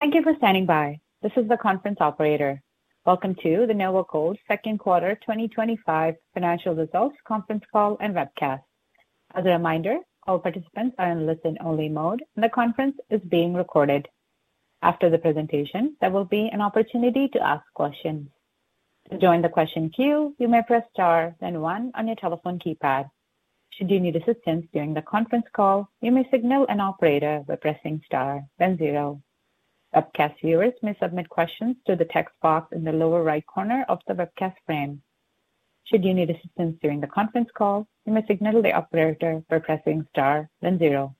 Thank you for standing by. This is the conference operator. Welcome to the NovaGold second quarter 2025 financial results conference call and webcast. As a reminder, all participants are in listen-only mode, and the conference is being recorded. After the presentation, there will be an opportunity to ask questions. To join the question queue, you may press star then one on your telephone keypad. Should you need assistance during the conference call, you may signal an operator by pressing star then zero. Webcast viewers may submit questions to the text box in the lower right corner of the webcast frame. Should you need assistance during the conference call, you may signal the operator by pressing star then zero.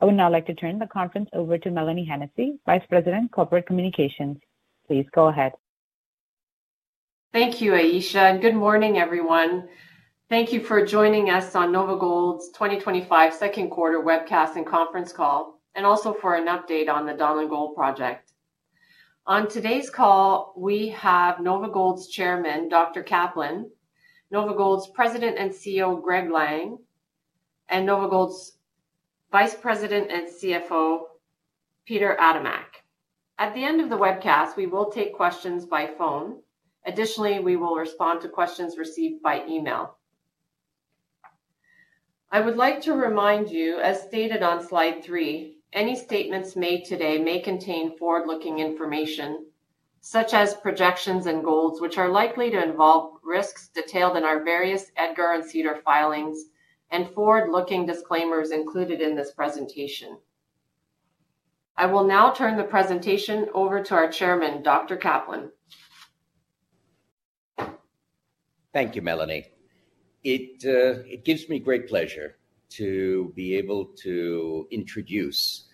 I would now like to turn the conference over to Melanie Hennessey, Vice President, Corporate Communications. Please go ahead. Thank you, Ayesha, and good morning, everyone. Thank you for joining us on NovaGold's 2025 Second Quarter Webcast and Conference Call, and also for an update on the Donlin Gold Project. On today's call, we have NovaGold's Chairman, Dr. Kaplan, NovaGold's President and CEO, Greg Lang, and NovaGold's Vice President and CFO, Peter Adamek. At the end of the webcast, we will take questions by phone. Additionally, we will respond to questions received by email. I would like to remind you, as stated on slide three, any statements made today may contain forward-looking information, such as projections and goals, which are likely to involve risks detailed in our various EDGAR and SEDAR filings and forward-looking disclaimers included in this presentation. I will now turn the presentation over to our Chairman, Dr. Kaplan. Thank you, Melanie. It gives me great pleasure to be able to introduce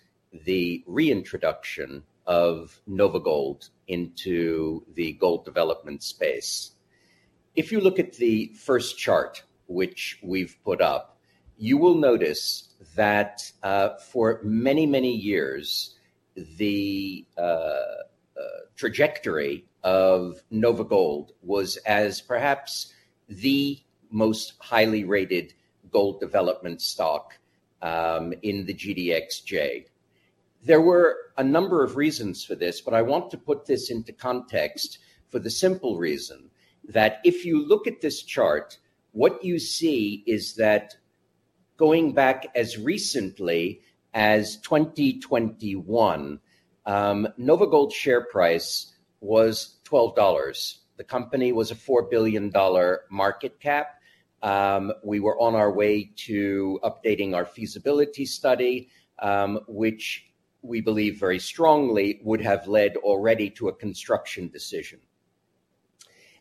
the reintroduction of NovaGold into the gold development space. If you look at the first chart, which we've put up, you will notice that for many, many years, the trajectory of NovaGold was as perhaps the most highly rated gold development stock in the GDXJ. There were a number of reasons for this, but I want to put this into context for the simple reason that if you look at this chart, what you see is that going back as recently as 2021, NovaGold's share price was $12. The company was a $4 billion market cap. We were on our way to updating our feasibility study, which we believe very strongly would have led already to a construction decision.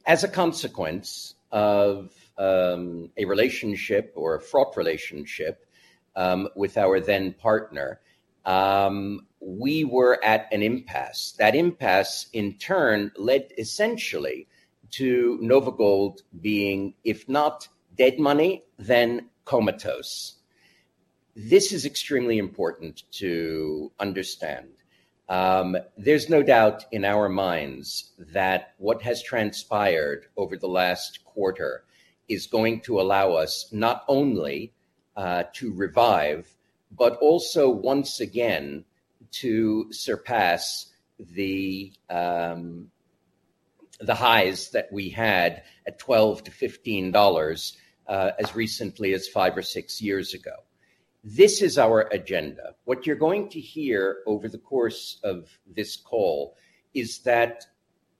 As a consequence of a relationship or a fraught relationship with our then partner, we were at an impasse. That impasse, in turn, led essentially to NovaGold being, if not dead money, then comatose. This is extremely important to understand. There's no doubt in our minds that what has transpired over the last quarter is going to allow us not only to revive, but also once again to surpass the highs that we had at $12-$15 as recently as five or six years ago. This is our agenda. What you're going to hear over the course of this call is that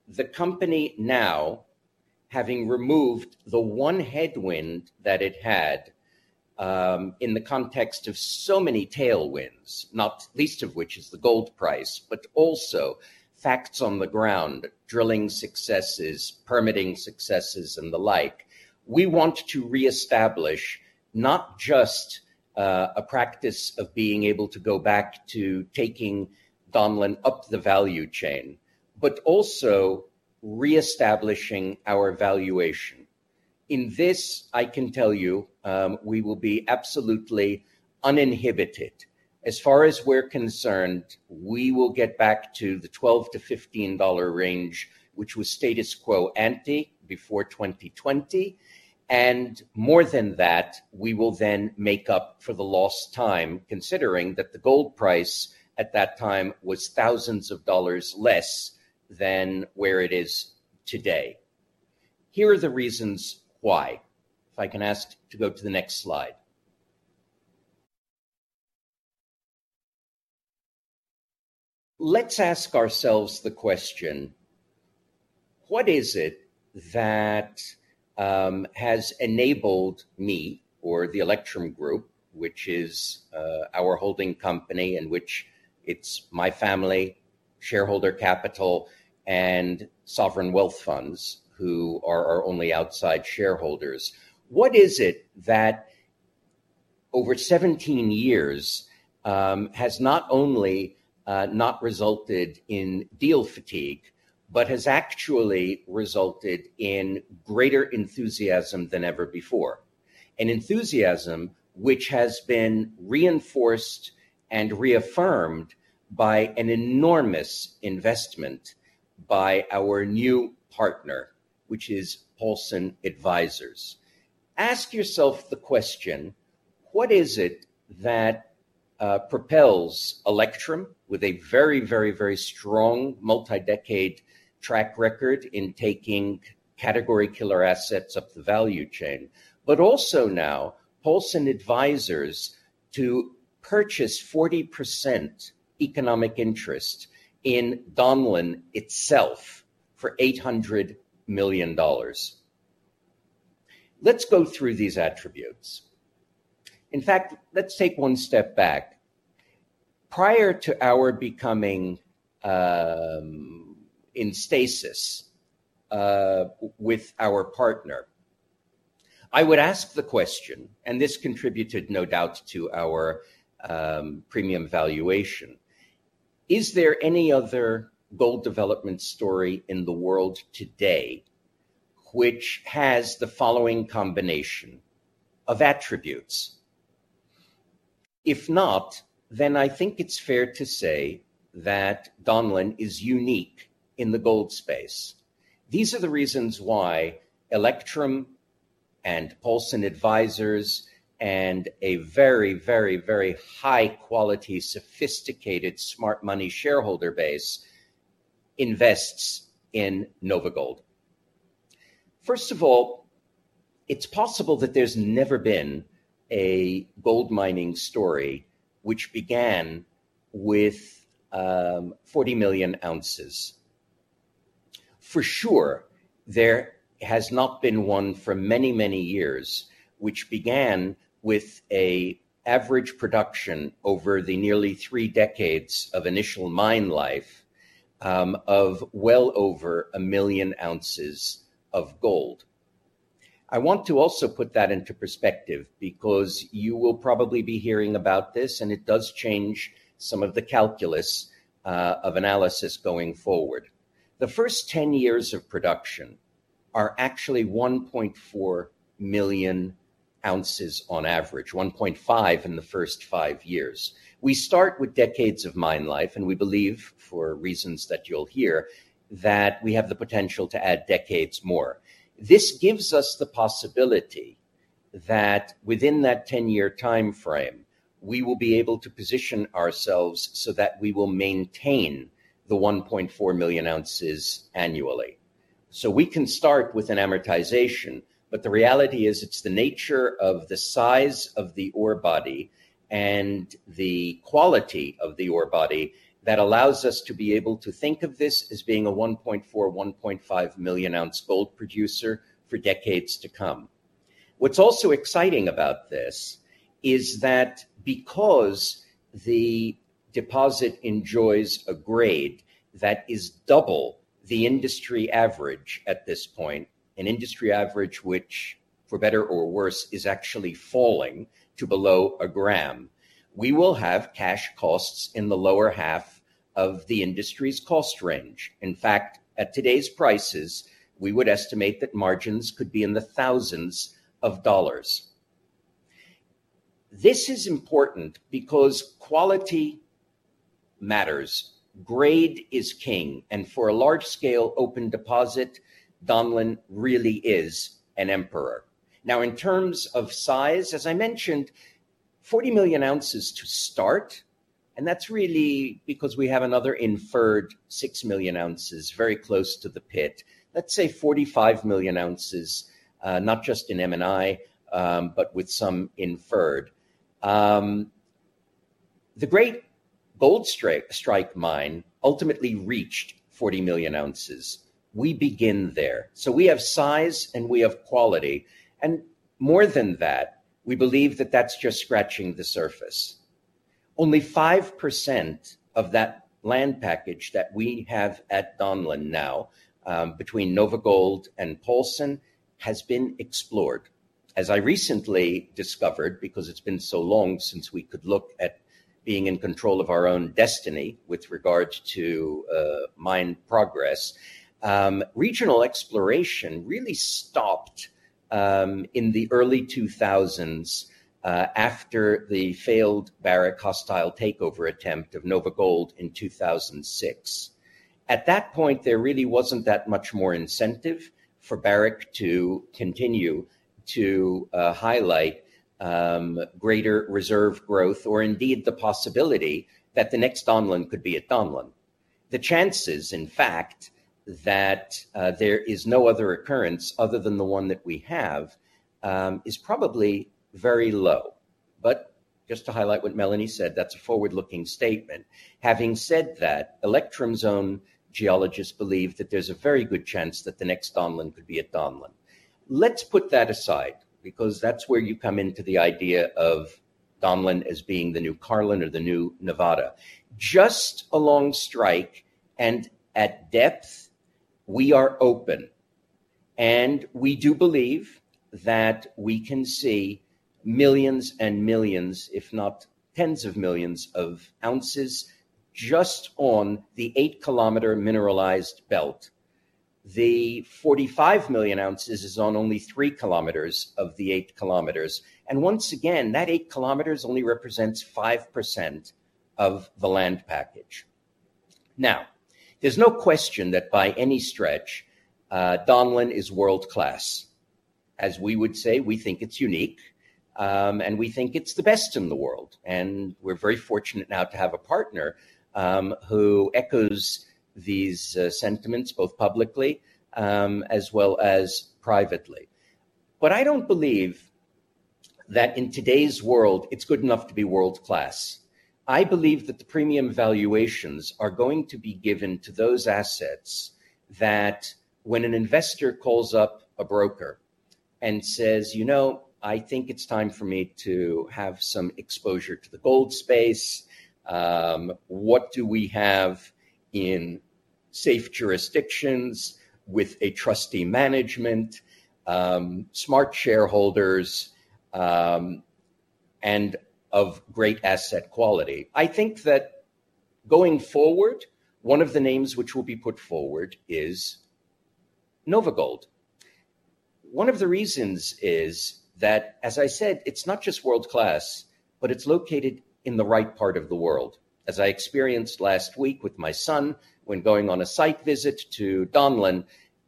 the company now, having removed the one headwind that it had in the context of so many tailwinds, not least of which is the gold price, but also facts on the ground, drilling successes, permitting successes, and the like, we want to reestablish not just a practice of being able to go back to taking Donlin up the value chain, but also reestablishing our valuation. In this, I can tell you, we will be absolutely uninhibited. As far as we're concerned, we will get back to the $12-$15 range, which was status quo ante before 2020. More than that, we will then make up for the lost time, considering that the gold price at that time was thousands of dollars less than where it is today. Here are the reasons why. If I can ask to go to the next slide. Let's ask ourselves the question, what is it that has enabled me or the Electrum Group, which is our holding company and which it's my family, shareholder capital, and sovereign wealth funds who are our only outside shareholders? What is it that over 17 years has not only not resulted in deal fatigue, but has actually resulted in greater enthusiasm than ever before? An enthusiasm which has been reinforced and reaffirmed by an enormous investment by our new partner, which is Paulson Advisers. Ask yourself the question, what is it that propels Electrum with a very, very, very strong multi-decade track record in taking category killer assets up the value chain, but also now Paulson Advisers. to purchase 40% economic interest in Donlin itself for $800 million? Let's go through these attributes. In fact, let's take one step back. Prior to our becoming in stasis with our partner, I would ask the question, and this contributed no doubt to our premium valuation, is there any other gold development story in the world today which has the following combination of attributes? If not, then I think it's fair to say that Donlin is unique in the gold space. These are the reasons why Electrum and Paulson Advisers and a very, very, very high-quality, sophisticated smart money shareholder base invests in NovaGold. First of all, it's possible that there's never been a gold mining story which began with 40 million ounces. For sure, there has not been one for many, many years which began with an average production over the nearly three decades of initial mine life of well over a million ounces of gold. I want to also put that into perspective because you will probably be hearing about this, and it does change some of the calculus of analysis going forward. The first 10 years of production are actually 1.4 million ounces on average, 1.5 in the first five years. We start with decades of mine life, and we believe, for reasons that you'll hear, that we have the potential to add decades more. This gives us the possibility that within that 10-year timeframe, we will be able to position ourselves so that we will maintain the 1.4 million ounces annually. We can start with an amortization, but the reality is it's the nature of the size of the ore body and the quality of the ore body that allows us to be able to think of this as being a 1.4-1.5 million ounce gold producer for decades to come. What's also exciting about this is that because the deposit enjoys a grade that is double the industry average at this point, an industry average which, for better or worse, is actually falling to below a gram, we will have cash costs in the lower half of the industry's cost range. In fact, at today's prices, we would estimate that margins could be in the thousands of dollars. This is important because quality matters. Grade is king. For a large-scale open deposit, Donlin really is an emperor. Now, in terms of size, as I mentioned, 40 million ounces to start, and that's really because we have another inferred 6 million ounces very close to the pit. Let's say 45 million ounces, not just in M&I, but with some inferred. The Great Gold Strike Mine ultimately reached 40 million ounces. We begin there. We have size and we have quality. More than that, we believe that that's just scratching the surface. Only 5% of that land package that we have at Donlin now between NovaGold and Paulson has been explored. As I recently discovered, because it's been so long since we could look at being in control of our own destiny with regard to mine progress, regional exploration really stopped in the early 2000s after the failed Barrick hostile takeover attempt of NovaGold in 2006. At that point, there really wasn't that much more incentive for Barrick to continue to highlight greater reserve growth or indeed the possibility that the next Donlin could be at Donlin. The chances, in fact, that there is no other occurrence other than the one that we have is probably very low. Just to highlight what Melanie said, that's a forward-looking statement. Having said that, Electrum's own geologists believe that there's a very good chance that the next Donlin could be at Donlin. Let's put that aside because that's where you come into the idea of Donlin as being the new Carlin or the new Nevada. Just along strike and at depth, we are open. We do believe that we can see millions and millions, if not tens of millions of ounces just on the eight-kilometer mineralized belt. The 45 million ounces is on only three kilometers of the eight kilometers. Once again, that eight kilometers only represents 5% of the land package. There is no question that by any stretch, Donlin is world-class. As we would say, we think it's unique, and we think it's the best in the world. We are very fortunate now to have a partner who echoes these sentiments both publicly as well as privately. I do not believe that in today's world, it's good enough to be world-class. I believe that the premium valuations are going to be given to those assets that when an investor calls up a broker and says, you know, I think it's time for me to have some exposure to the gold space, what do we have in safe jurisdictions with a trusty management, smart shareholders, and of great asset quality. I think that going forward, one of the names which will be put forward is NovaGold. One of the reasons is that, as I said, it's not just world-class, but it's located in the right part of the world. As I experienced last week with my son when going on a site visit to Donlin,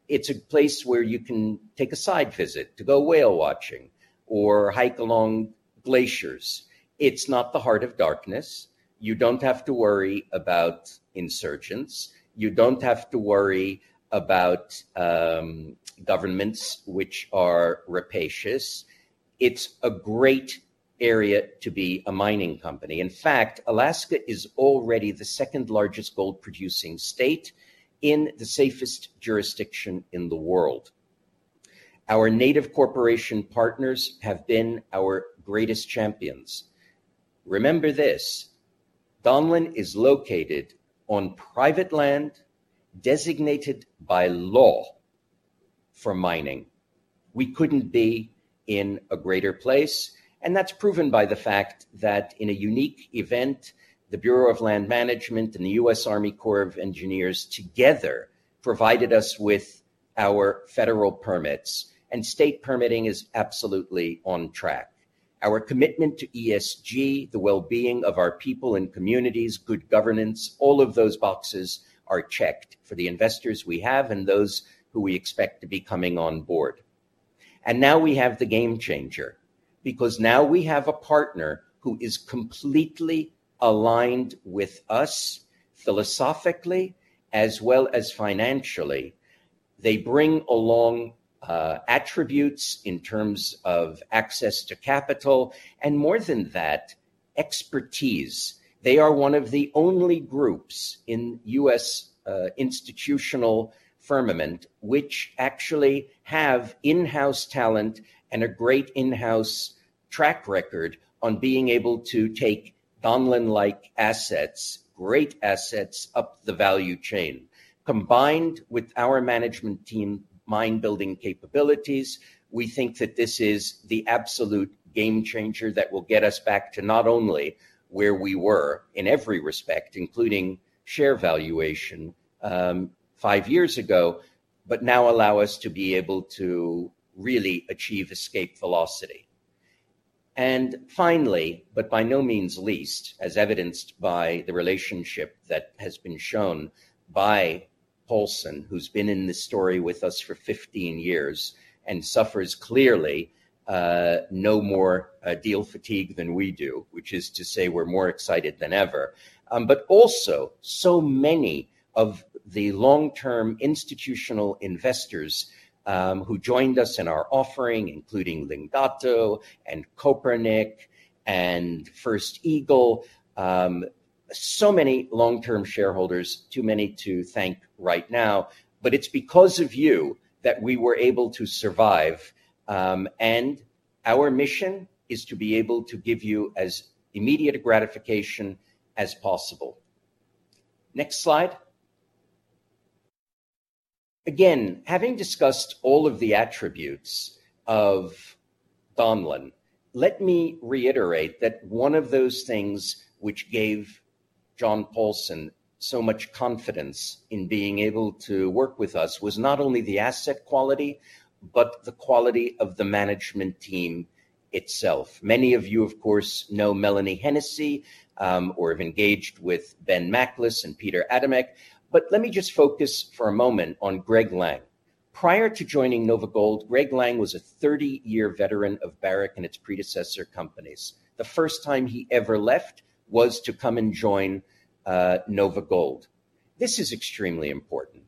it's a place where you can take a site visit to go whale watching or hike along glaciers. It's not the heart of darkness. You don't have to worry about insurgents. You don't have to worry about governments which are rapacious. It's a great area to be a mining company. In fact, Alaska is already the second largest gold-producing state in the safest jurisdiction in the world. Our Native Corporation partners have been our greatest champions. Remember this, Donlin is located on private land designated by law for mining. We couldn't be in a greater place. That is proven by the fact that in a unique event, the Bureau of Land Management and the U.S. Army Corps of Engineers together provided us with our federal permits. State permitting is absolutely on track. Our commitment to ESG, the well-being of our people and communities, good governance, all of those boxes are checked for the investors we have and those who we expect to be coming on board. Now we have the game changer because now we have a partner who is completely aligned with us philosophically as well as financially. They bring along attributes in terms of access to capital. And more than that, expertise. They are one of the only groups in U.S. institutional firmament which actually have in-house talent and a great in-house track record on being able to take Donlin-like assets, great assets up the value chain. Combined with our management team's mine-building capabilities, we think that this is the absolute game changer that will get us back to not only where we were in every respect, including share valuation five years ago, but now allow us to be able to really achieve escape velocity. Finally, but by no means least, as evidenced by the relationship that has been shown by Paulson, who's been in this story with us for 15 years and suffers clearly no more deal fatigue than we do, which is to say we're more excited than ever. Also, so many of the long-term institutional investors who joined us in our offering, including Lingotto and Copernic and First Eagle, so many long-term shareholders, too many to thank right now. It is because of you that we were able to survive. Our mission is to be able to give you as immediate a gratification as possible. Next slide. Again, having discussed all of the attributes of Donlin, let me reiterate that one of those things which gave John Paulson so much confidence in being able to work with us was not only the asset quality, but the quality of the management team itself. Many of you, of course, know Melanie Hennessey or have engaged with Ben McCliss and Peter Adamek. Let me just focus for a moment on Greg Lang. Prior to joining NovaGold, Greg Lang was a 30-year veteran of Barrick and its predecessor companies. The first time he ever left was to come and join NovaGold. This is extremely important.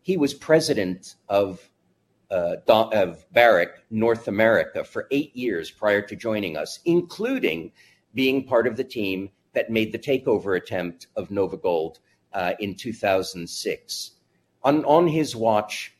He was President of Barrick North America for eight years prior to joining us, including being part of the team that made the takeover attempt of NovaGold in 2006. On his watch,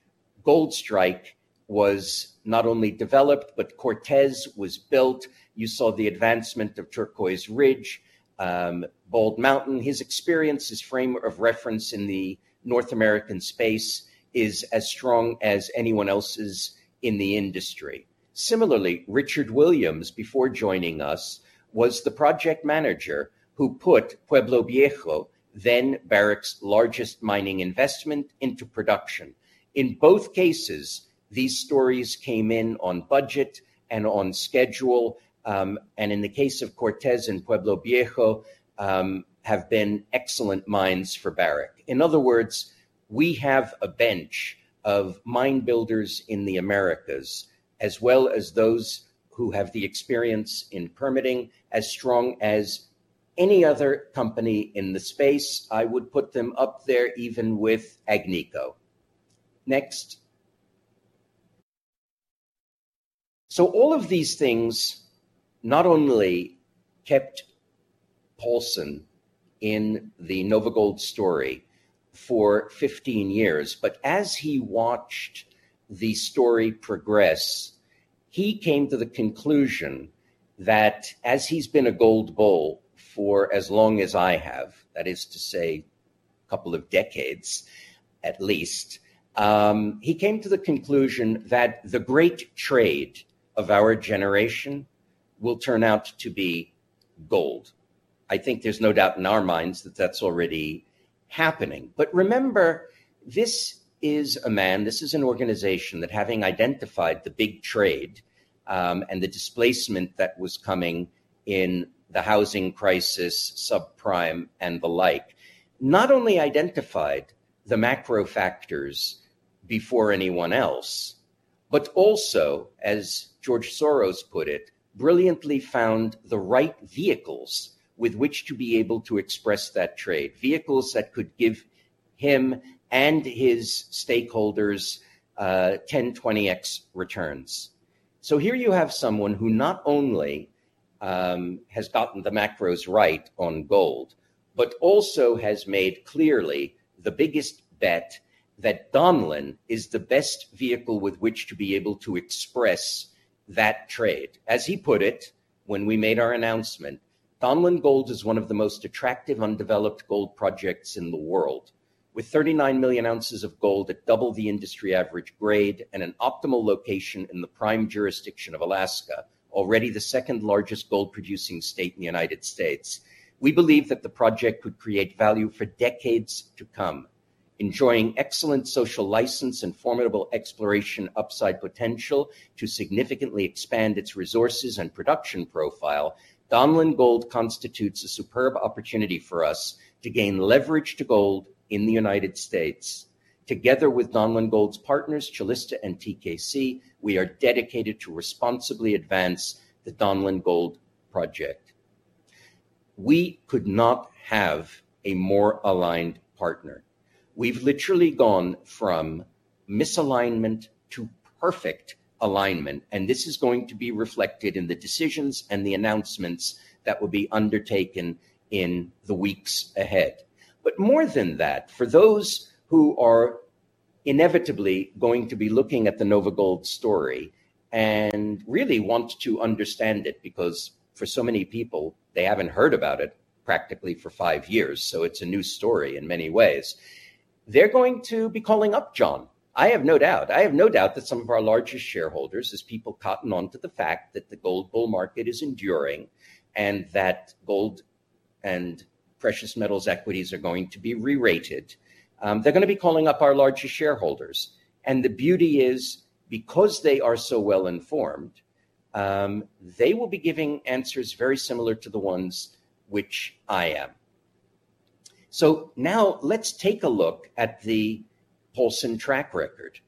Goldstrike was not only developed, but Cortez was built. You saw the advancement of Turquoise Ridge, Bald Mountain. His experience, his frame of reference in the North American space is as strong as anyone else's in the industry. Similarly, Richard Williams, before joining us, was the project manager who put Pueblo Viejo, then Barrick's largest mining investment, into production. In both cases, these stories came in on budget and on schedule. In the case of Cortez and Pueblo Viejo, have been excellent mines for Barrick. In other words, we have a bench of mine builders in the Americas as well as those who have the experience in permitting as strong as any other company in the space. I would put them up there even with Agnico. Next. All of these things not only kept Paulson in the NovaGold story for 15 years, but as he watched the story progress, he came to the conclusion that as he's been a gold bull for as long as I have, that is to say, a couple of decades at least, he came to the conclusion that the great trade of our generation will turn out to be gold. I think there's no doubt in our minds that that's already happening. Remember, this is a man. This is an organization that, having identified the big trade and the displacement that was coming in the housing crisis, subprime, and the like, not only identified the macro factors before anyone else, but also, as George Soros put it, brilliantly found the right vehicles with which to be able to express that trade, vehicles that could give him and his stakeholders 10, 20x returns. Here you have someone who not only has gotten the macros right on gold, but also has made clearly the biggest bet that Donlin is the best vehicle with which to be able to express that trade. As he put it when we made our announcement, Donlin Gold is one of the most attractive undeveloped gold projects in the world. With 39 million ounces of gold at double the industry average grade and an optimal location in the prime jurisdiction of Alaska, already the second largest gold-producing state in the U.S., we believe that the project could create value for decades to come. Enjoying excellent social license and formidable exploration upside potential to significantly expand its resources and production profile, Donlin Gold constitutes a superb opportunity for us to gain leverage to gold in the U.S. Together with Donlin Gold's partners, Calista and TKC, we are dedicated to responsibly advance the Donlin Gold project. We could not have a more aligned partner. We have literally gone from misalignment to perfect alignment. This is going to be reflected in the decisions and the announcements that will be undertaken in the weeks ahead. More than that, for those who are inevitably going to be looking at the NovaGold story and really want to understand it because for so many people, they have not heard about it practically for five years. It is a new story in many ways. They are going to be calling up John. I have no doubt. I have no doubt that some of our largest shareholders as people cotton on to the fact that the gold bull market is enduring and that gold and precious metals equities are going to be re-rated. They are going to be calling up our largest shareholders. The beauty is because they are so well-informed, they will be giving answers very similar to the ones which I am. Now let's take a look at the Paulson track record.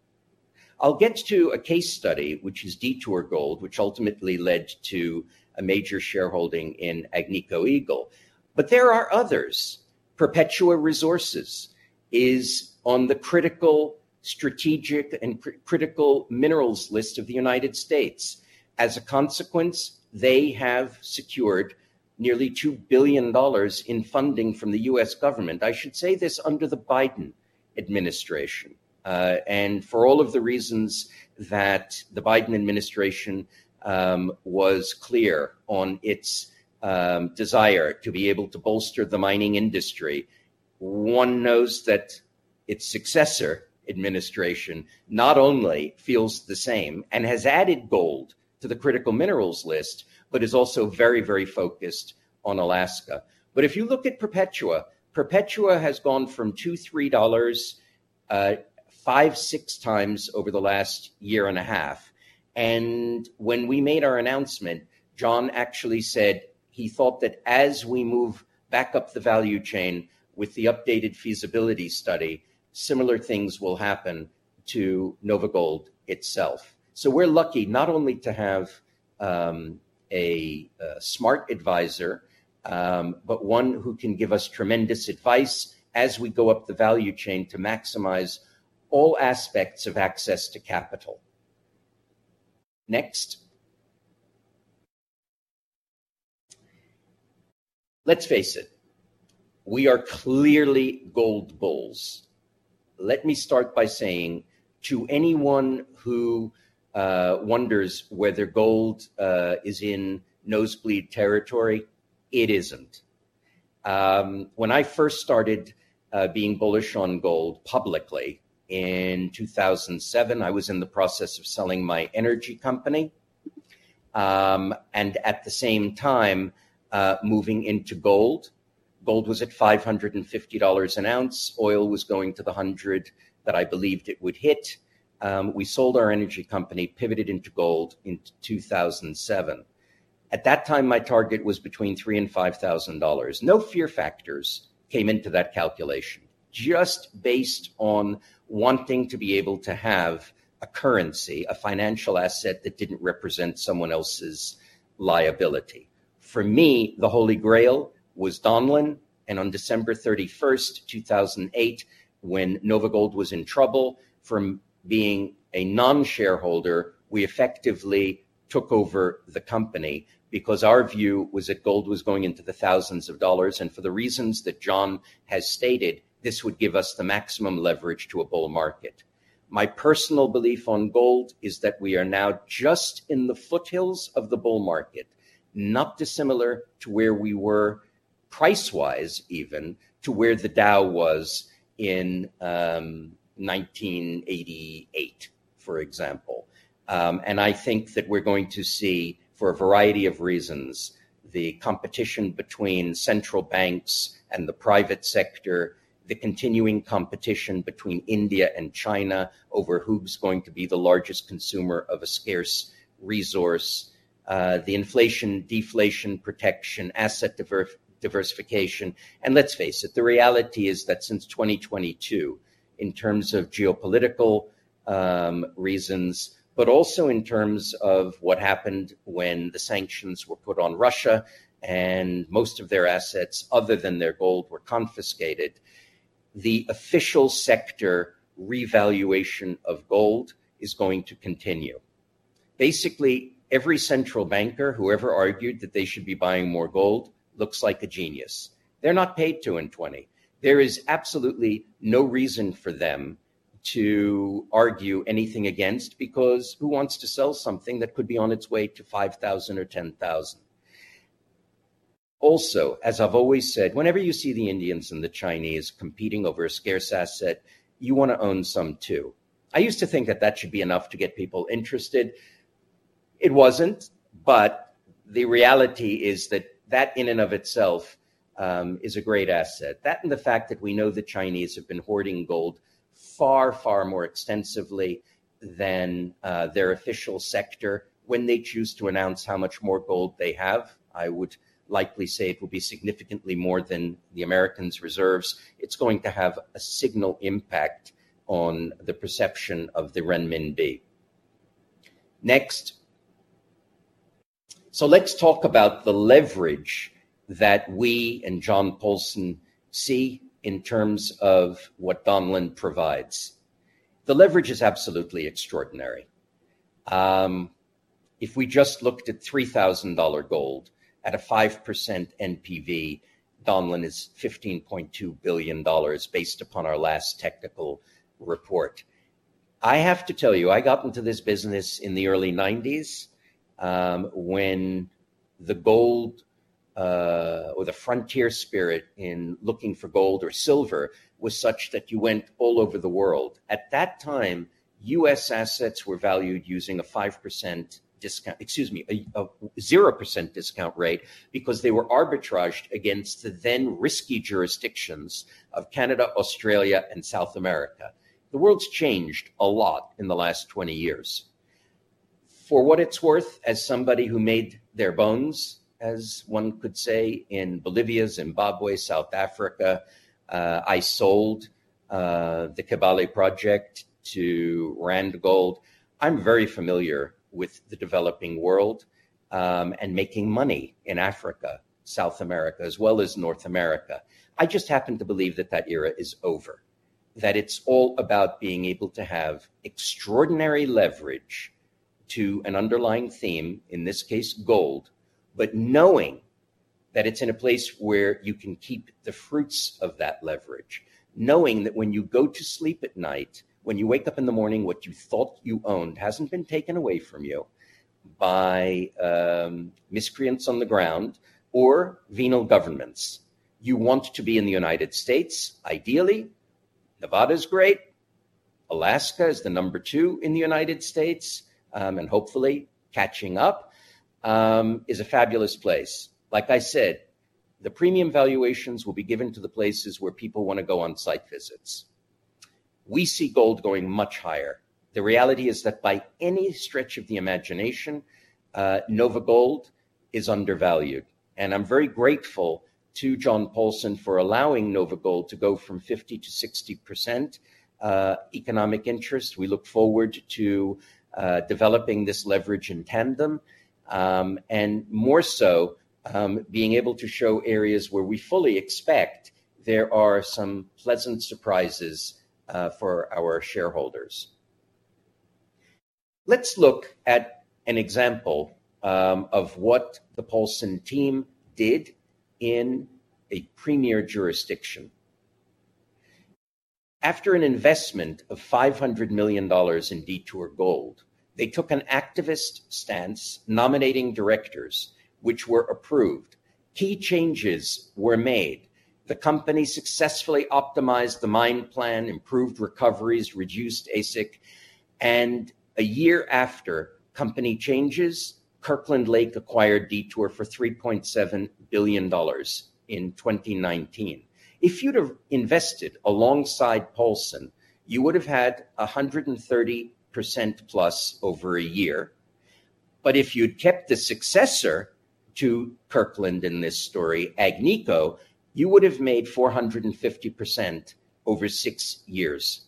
I'll get to a case study which is Detour Gold, which ultimately led to a major shareholding in Agnico Eagle. There are others. Perpetua Resources is on the critical strategic and critical minerals list of the United States. As a consequence, they have secured nearly $2 billion in funding from the U.S. government. I should say this under the Biden administration. For all of the reasons that the Biden administration was clear on its desire to be able to bolster the mining industry, one knows that its successor administration not only feels the same and has added gold to the critical minerals list, but is also very, very focused on Alaska. If you look at Perpetua, Perpetua has gone from $2, $3, five, six times over the last year and a half. When we made our announcement, John actually said he thought that as we move back up the value chain with the updated feasibility study, similar things will happen to NovaGold itself. We are lucky not only to have a smart advisor, but one who can give us tremendous advice as we go up the value chain to maximize all aspects of access to capital. Next. Let's face it, we are clearly gold bulls. Let me start by saying to anyone who wonders whether gold is in nosebleed territory, it isn't. When I first started being bullish on gold publicly in 2007, I was in the process of selling my energy company. At the same time, moving into gold, gold was at $550 an ounce. Oil was going to the 100 that I believed it would hit. We sold our energy company, pivoted into gold in 2007. At that time, my target was between $3,000 and $5,000. No fear factors came into that calculation, just based on wanting to be able to have a currency, a financial asset that did not represent someone else's liability. For me, the Holy Grail was Donlin. On December 31, 2008, when NovaGold was in trouble from being a non-shareholder, we effectively took over the company because our view was that gold was going into the thousands of dollars. For the reasons that John has stated, this would give us the maximum leverage to a bull market. My personal belief on gold is that we are now just in the foothills of the bull market, not dissimilar to where we were price-wise, even to where the Dow was in 1988, for example. I think that we're going to see, for a variety of reasons, the competition between central banks and the private sector, the continuing competition between India and China over who's going to be the largest consumer of a scarce resource, the inflation, deflation protection, asset diversification. Let's face it, the reality is that since 2022, in terms of geopolitical reasons, but also in terms of what happened when the sanctions were put on Russia and most of their assets other than their gold were confiscated, the official sector revaluation of gold is going to continue. Basically, every central banker, whoever argued that they should be buying more gold, looks like a genius. They're not paid to in 2020. There is absolutely no reason for them to argue anything against because who wants to sell something that could be on its way to $5,000 or $10,000? Also, as I've always said, whenever you see the Indians and the Chinese competing over a scarce asset, you want to own some too. I used to think that that should be enough to get people interested. It wasn't. The reality is that that in and of itself is a great asset. That and the fact that we know the Chinese have been hoarding gold far, far more extensively than their official sector. When they choose to announce how much more gold they have, I would likely say it will be significantly more than the Americans' reserves. It's going to have a signal impact on the perception of the renminbi. Next. Let's talk about the leverage that we and John Paulson see in terms of what Donlin provides. The leverage is absolutely extraordinary. If we just looked at $3,000 gold at a 5% NPV, Donlin is $15.2 billion based upon our last technical report. I have to tell you, I got into this business in the early 1990s when the gold or the frontier spirit in looking for gold or silver was such that you went all over the world. At that time, U.S. assets were valued using a 5% discount, excuse me, a 0% discount rate because they were arbitraged against the then risky jurisdictions of Canada, Australia, and South America. The world's changed a lot in the last 20 years. For what it's worth, as somebody who made their bones, as one could say, in Bolivia, Zimbabwe, South Africa, I sold the Kibale project to Randgold. I'm very familiar with the developing world and making money in Africa, South America, as well as North America. I just happen to believe that that era is over, that it's all about being able to have extraordinary leverage to an underlying theme, in this case, gold, but knowing that it's in a place where you can keep the fruits of that leverage, knowing that when you go to sleep at night, when you wake up in the morning, what you thought you owned hasn't been taken away from you by miscreants on the ground or venal governments. You want to be in the United States, ideally. Nevada's great. Alaska is the number two in the United States. Hopefully, catching up is a fabulous place. Like I said, the premium valuations will be given to the places where people want to go on site visits. We see gold going much higher. The reality is that by any stretch of the imagination, NovaGold is undervalued. I'm very grateful to John Paulson for allowing NovaGold to go from 50% to 60% economic interest. We look forward to developing this leverage in tandem and more so being able to show areas where we fully expect there are some pleasant surprises for our shareholders. Let's look at an example of what the Paulson team did in a premier jurisdiction. After an investment of $500 million in Detour Gold, they took an activist stance, nominating directors, which were approved. Key changes were made. The company successfully optimized the mine plan, improved recoveries, reduced AISC. A year after company changes, Kirkland Lake acquired Detour for $3.7 billion in 2019. If you'd have invested alongside Paulson, you would have had 130% plus over a year. If you'd kept the successor to Kirkland in this story, Agnico, you would have made 450% over six years.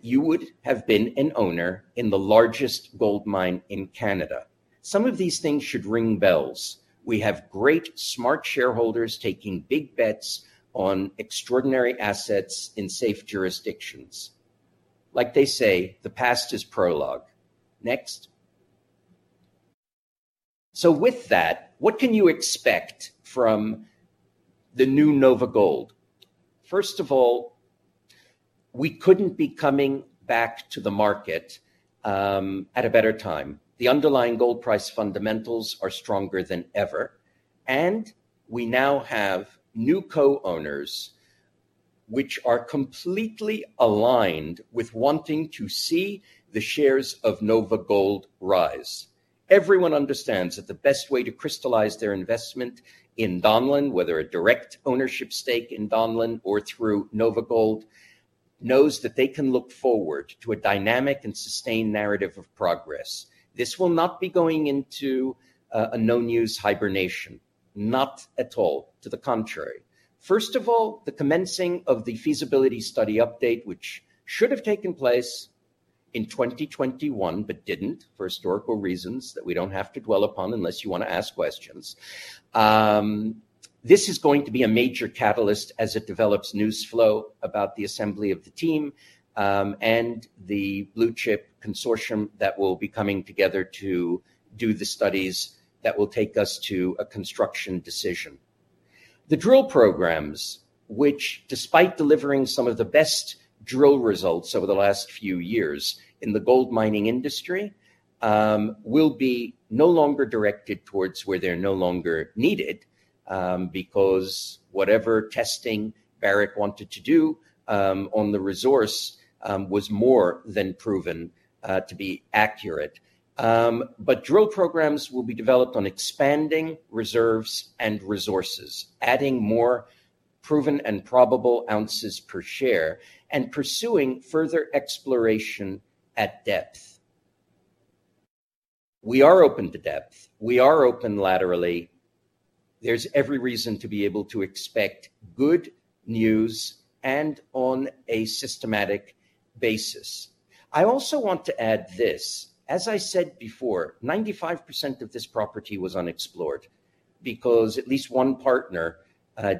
You would have been an owner in the largest gold mine in Canada. Some of these things should ring bells. We have great smart shareholders taking big bets on extraordinary assets in safe jurisdictions. Like they say, the past is prologue. Next. With that, what can you expect from the new NovaGold? First of all, we could not be coming back to the market at a better time. The underlying gold price fundamentals are stronger than ever. We now have new co-owners which are completely aligned with wanting to see the shares of NovaGold rise. Everyone understands that the best way to crystallize their investment in Donlin, whether a direct ownership stake in Donlin or through NovaGold, knows that they can look forward to a dynamic and sustained narrative of progress. This will not be going into a no-news hibernation, not at all. To the contrary. First of all, the commencing of the feasibility study update, which should have taken place in 2021 but did not for historical reasons that we do not have to dwell upon unless you want to ask questions. This is going to be a major catalyst as it develops news flow about the assembly of the team and the blue chip consortium that will be coming together to do the studies that will take us to a construction decision. The drill programs, which despite delivering some of the best drill results over the last few years in the gold mining industry, will be no longer directed towards where they are no longer needed because whatever testing Barrick wanted to do on the resource was more than proven to be accurate. Drill programs will be developed on expanding reserves and resources, adding more proven and probable ounces per share and pursuing further exploration at depth. We are open to depth. We are open laterally. There is every reason to be able to expect good news and on a systematic basis. I also want to add this. As I said before, 95% of this property was unexplored because at least one partner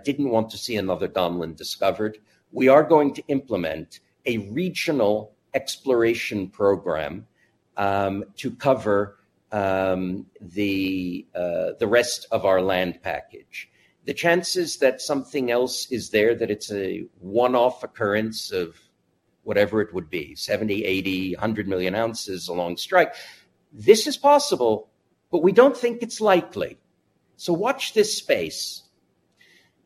did not want to see another Donlin discovered. We are going to implement a regional exploration program to cover the rest of our land package. The chances that something else is there, that it is a one-off occurrence of whatever it would be, 70, 80, 100 million ounces along strike, this is possible, but we do not think it is likely. Watch this space.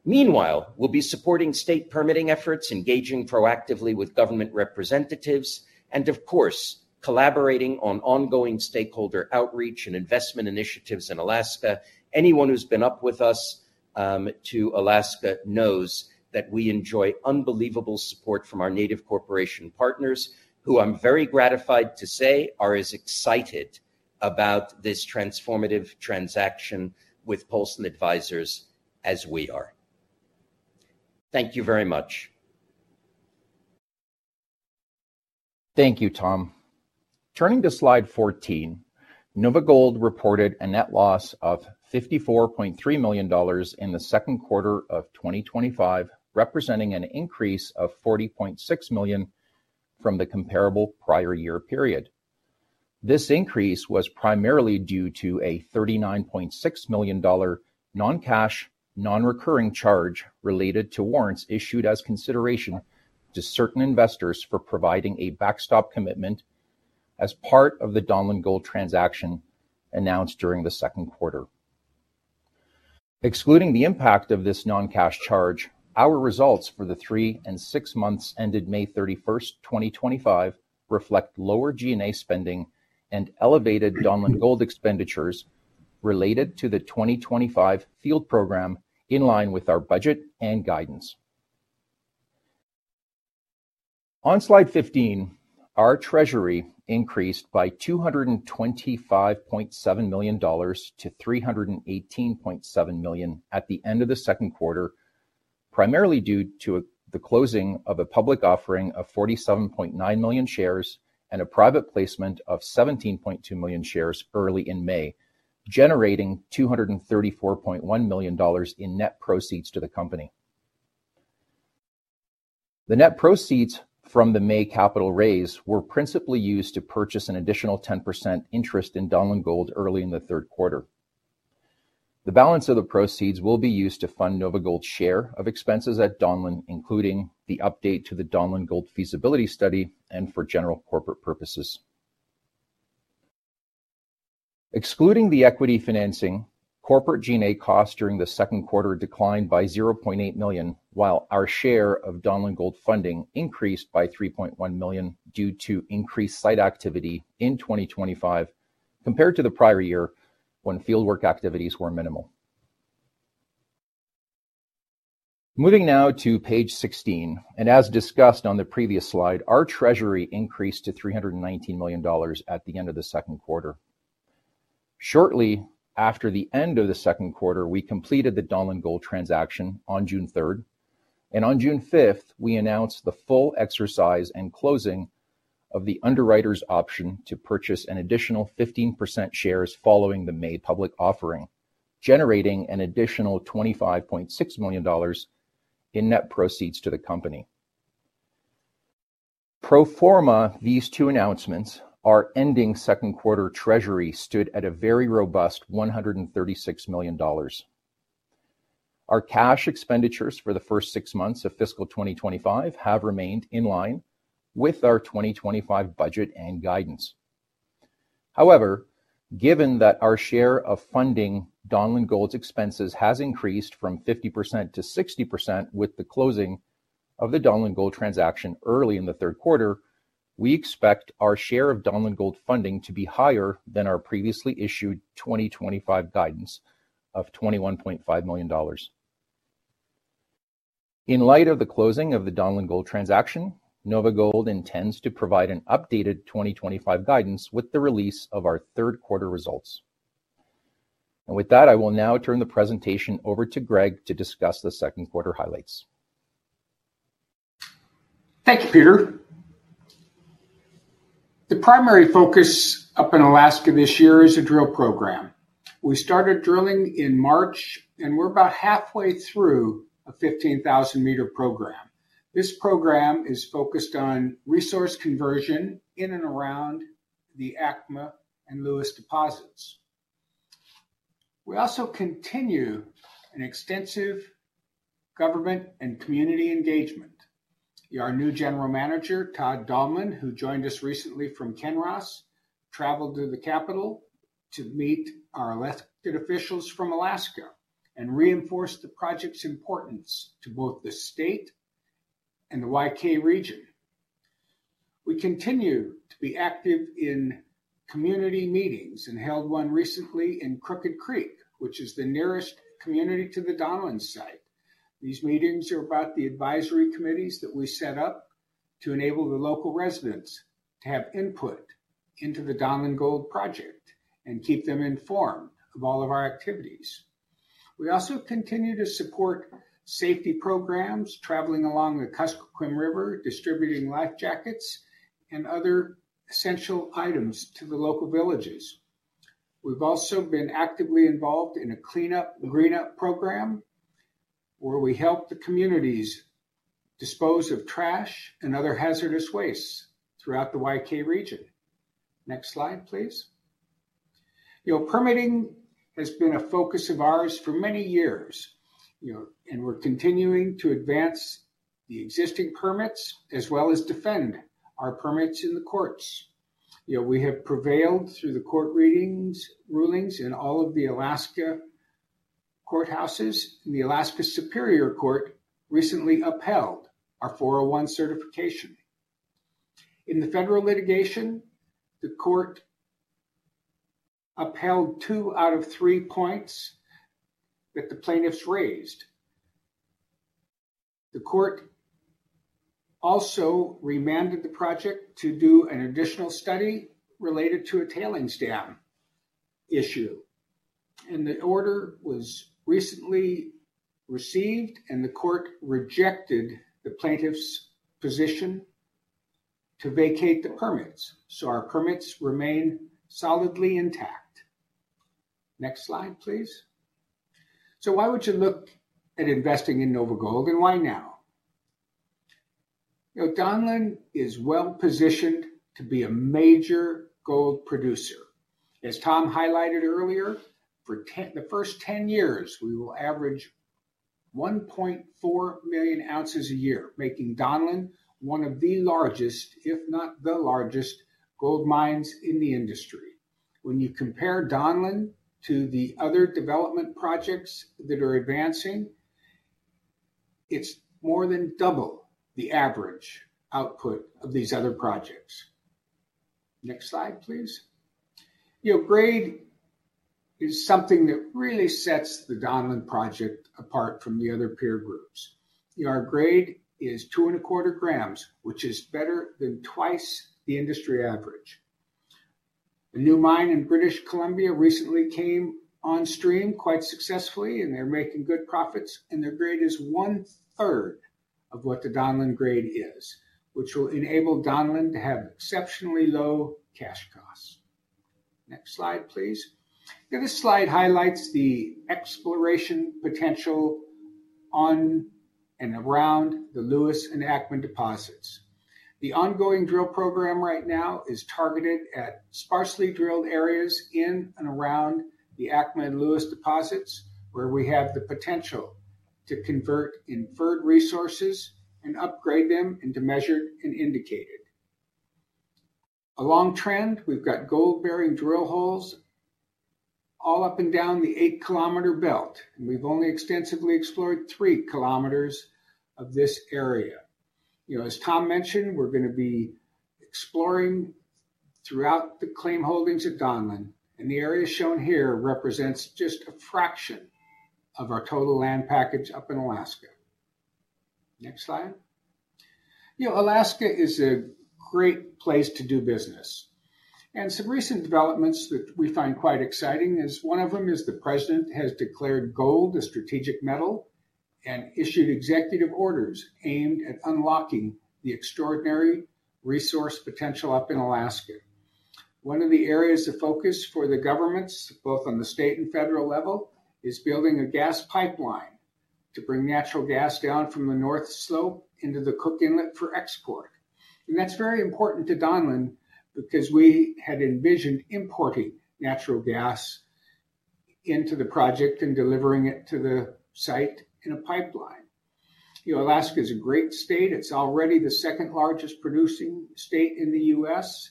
Meanwhile, we'll be supporting state permitting efforts, engaging proactively with government representatives, and of course, collaborating on ongoing stakeholder outreach and investment initiatives in Alaska. Anyone who's been up with us to Alaska knows that we enjoy unbelievable support from our Native Corporation partners, who I'm very gratified to say are as excited about this transformative transaction with Paulson Advisers as we are. Thank you very much. Thank you, Tom. Turning to slide 14, NovaGold reported a net loss of $54.3 million in the second quarter of 2025, representing an increase of $40.6 million from the comparable prior year period. This increase was primarily due to a $39.6 million non-cash, non-recurring charge related to warrants issued as consideration to certain investors for providing a backstop commitment as part of the Donlin Gold transaction announced during the second quarter. Excluding the impact of this non-cash charge, our results for the three and six months ended May 31, 2025, reflect lower G&A spending and elevated Donlin Gold expenditures related to the 2025 field program in line with our budget and guidance. On slide 15, our treasury increased by $225.7 million to $318.7 million at the end of the second quarter, primarily due to the closing of a public offering of 47.9 million shares and a private placement of 17.2 million shares early in May, generating $234.1 million in net proceeds to the company. The net proceeds from the May capital raise were principally used to purchase an additional 10% interest in Donlin Gold early in the third quarter. The balance of the proceeds will be used to fund NovaGold's share of expenses at Donlin, including the update to the Donlin Gold feasibility study and for general corporate purposes. Excluding the equity financing, corporate G&A costs during the second quarter declined by $0.8 million, while our share of Donlin Gold funding increased by $3.1 million due to increased site activity in 2025 compared to the prior year when fieldwork activities were minimal. Moving now to page 16, and as discussed on the previous slide, our treasury increased to $319 million at the end of the second quarter. Shortly after the end of the second quarter, we completed the Donlin Gold transaction on June 3rd. On June 5th, we announced the full exercise and closing of the underwriter's option to purchase an additional 15% shares following the May public offering, generating an additional $25.6 million in net proceeds to the company. Pro forma, these two announcements are ending second quarter treasury stood at a very robust $136 million. Our cash expenditures for the first six months of fiscal 2025 have remained in line with our 2025 budget and guidance. However, given that our share of funding Donlin Gold's expenses has increased from 50% to 60% with the closing of the Donlin Gold transaction early in the third quarter, we expect our share of Donlin Gold funding to be higher than our previously issued 2025 guidance of $21.5 million. In light of the closing of the Donlin Gold transaction, NovaGold intends to provide an updated 2025 guidance with the release of our third quarter results. I will now turn the presentation over to Greg to discuss the second quarter highlights. Thank you, Peter. The primary focus up in Alaska this year is a drill program. We started drilling in March, and we're about halfway through a 15,000-meter program. This program is focused on resource conversion in and around the ACMA and Lewis deposits. We also continue an extensive government and community engagement. Our new General Manager, Todd Dahlman, who joined us recently from Kinross, traveled to the capital to meet our elected officials from Alaska and reinforce the project's importance to both the state and the YK region. We continue to be active in community meetings and held one recently in Crooked Creek, which is the nearest community to the Donlin site. These meetings are about the advisory committees that we set up to enable the local residents to have input into the Donlin Gold project and keep them informed of all of our activities. We also continue to support safety programs traveling along the Kuskokwim River, distributing life jackets and other essential items to the local villages. We've also been actively involved in a cleanup, greenup program where we help the communities dispose of trash and other hazardous waste throughout the YK region. Next slide, please. Permitting has been a focus of ours for many years, and we're continuing to advance the existing permits as well as defend our permits in the courts. We have prevailed through the court rulings in all of the Alaska courthouses. The Alaska Superior Court recently upheld our 401 certification. In the federal litigation, the court upheld two out of three points that the plaintiffs raised. The court also remanded the project to do an additional study related to a tailings dam issue. The order was recently received, and the court rejected the plaintiffs' position to vacate the permits. Our permits remain solidly intact. Next slide, please. Why would you look at investing in NovaGold, and why now? Donlin is well positioned to be a major gold producer. As Tom highlighted earlier, for the first 10 years, we will average 1.4 million ounces a year, making Donlin one of the largest, if not the largest, gold mines in the industry. When you compare Donlin to the other development projects that are advancing, it's more than double the average output of these other projects. Next slide, please. Grade is something that really sets the Donlin project apart from the other peer groups. Our grade is two and a quarter grams, which is better than twice the industry average. A new mine in British Columbia recently came on stream quite successfully, and they're making good profits, and their grade is one third of what the Donlin grade is, which will enable Donlin to have exceptionally low cash costs. Next slide, please. This slide highlights the exploration potential on and around the Lewis and ACMA deposits. The ongoing drill program right now is targeted at sparsely drilled areas in and around the ACMA and Lewis deposits, where we have the potential to convert inferred resources and upgrade them into measured and indicated. Along trend, we have gold-bearing drill holes all up and down the eight-kilometer belt, and we have only extensively explored three kilometers of this area. As Tom mentioned, we are going to be exploring throughout the claim holdings at Donlin, and the area shown here represents just a fraction of our total land package up in Alaska. Next slide. Alaska is a great place to do business. Some recent developments that we find quite exciting, as one of them is the President has declared gold a strategic metal and issued executive orders aimed at unlocking the extraordinary resource potential up in Alaska. One of the areas of focus for the governments, both on the state and federal level, is building a gas pipeline to bring natural gas down from the North Slope into the Cook Inlet for export. That is very important to Donlin because we had envisioned importing natural gas into the project and delivering it to the site in a pipeline. Alaska is a great state. It is already the second largest producing state in the U.S.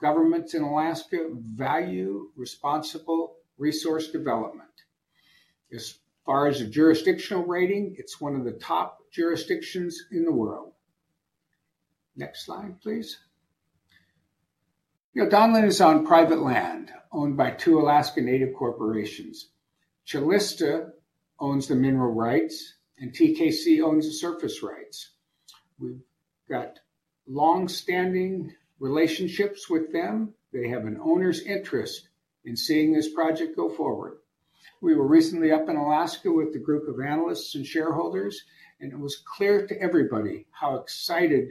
Governments in Alaska value responsible resource development. As far as a jurisdictional rating, it is one of the top jurisdictions in the world. Next slide, please. Donlin is on private land owned by two Alaska Native corporations. Calista owns the mineral rights, and TKC owns the surface rights. We've got long-standing relationships with them. They have an owner's interest in seeing this project go forward. We were recently up in Alaska with a group of analysts and shareholders, and it was clear to everybody how excited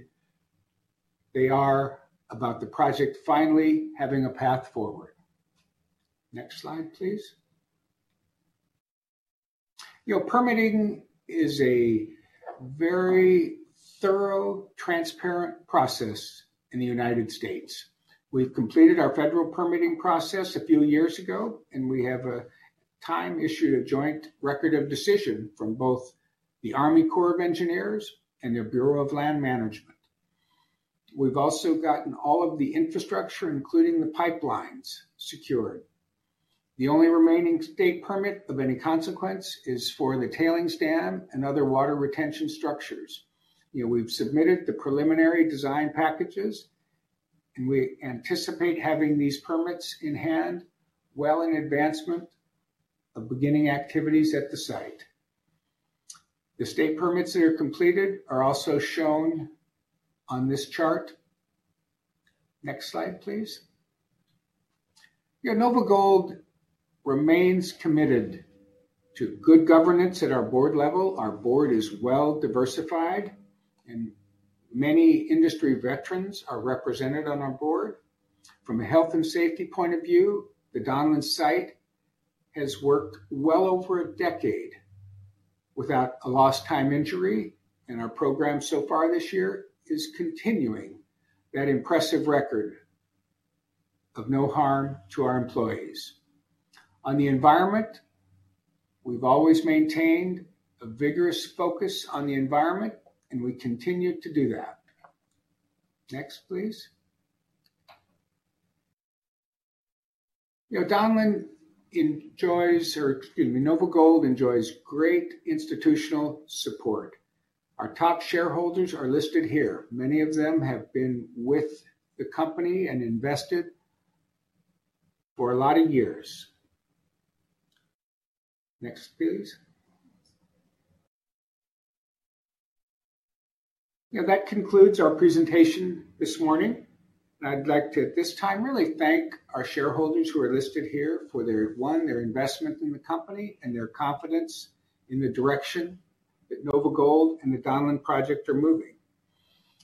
they are about the project finally having a path forward. Next slide, please. Permitting is a very thorough, transparent process in the U.S. We've completed our federal permitting process a few years ago, and we have time-issued a joint record of decision from both the Army Corps of Engineers and the Bureau of Land Management. We've also gotten all of the infrastructure, including the pipelines, secured. The only remaining state permit of any consequence is for the tailings dam and other water retention structures. We've submitted the preliminary design packages, and we anticipate having these permits in hand well in advancement of beginning activities at the site. The state permits that are completed are also shown on this chart. Next slide, please. NovaGold remains committed to good governance at our board level. Our board is well-diversified, and many industry veterans are represented on our board. From a health and safety point of view, the Donlin site has worked well over a decade without a lost-time injury, and our program so far this year is continuing that impressive record of no harm to our employees. On the environment, we've always maintained a vigorous focus on the environment, and we continue to do that. Next, please. Donlin enjoys, or excuse me, NovaGold enjoys great institutional support. Our top shareholders are listed here. Many of them have been with the company and invested for a lot of years. Next, please. That concludes our presentation this morning. I'd like to, at this time, really thank our shareholders who are listed here for their investment in the company and their confidence in the direction that NovaGold and the Donlin project are moving.